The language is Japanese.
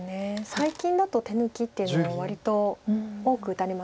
最近だと手抜きっていうのは割と多く打たれます。